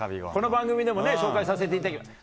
この番組でも紹介させていただいた。